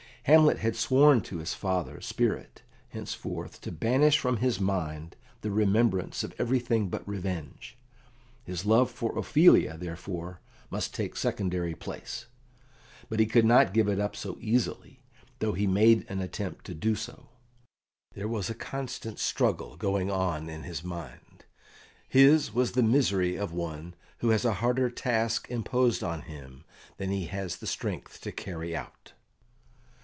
Hamlet had sworn to his father's spirit henceforth to banish from his mind the remembrance of everything but revenge. His love for Ophelia, therefore, must take a secondary place; but he could not give it up so easily, though he made an attempt to do so. There was a constant struggle going on in his mind; his was the misery of one who has a harder task imposed on him than he has strength to carry out.